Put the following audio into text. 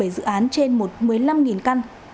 một mươi bảy dự án trên một mươi năm căn